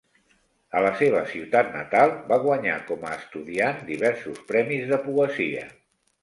A la seva ciutat natal, va guanyar com a estudiant diversos premis de poesia.